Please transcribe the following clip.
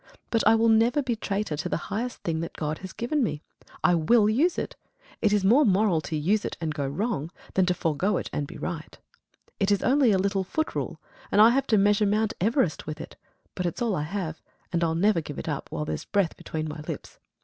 But I will never be traitor to the highest thing that God has given me. I WILL use it. It is more moral to use it and go wrong, than to forego it and be right. It is only a little foot rule, and I have to measure Mount Everest with it; but it's all I have, and I'll never give it up while there's breath between my lips.